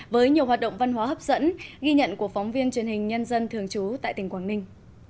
với nhiều hoạt động văn hóa hấp dẫn ghi nhận của phóng viên truyền hình nhân dân thường trú tại tỉnh quảng ninh